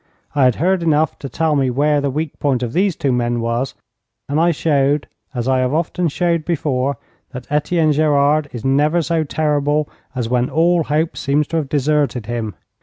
I had heard enough to tell me where the weak point of these two men was, and I showed, as I have often showed before, that Etienne Gerard is never so terrible as when all hope seems to have deserted him.